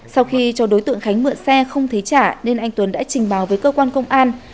sau khi cho đối tượng khánh mượn xe không thấy trả nên anh tuấn đã trình báo với cơ quan công an